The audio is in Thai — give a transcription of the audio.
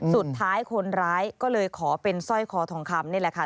สุดท้ายคนร้ายก็เลยขอเป็นสร้อยคอทองคำนี่แหละค่ะ